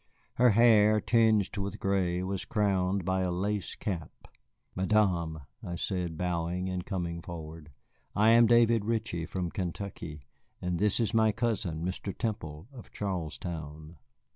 Her hair, tinged with gray, was crowned by a lace cap. "Madame," I said, bowing and coming forward, "I am David Ritchie, from Kentucky, and this is my cousin, Mr. Temple, of Charlestown.